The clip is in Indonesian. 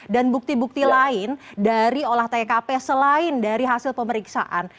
dan bukti bukti lain dari olah tkp selain dari hasil pemeriksaan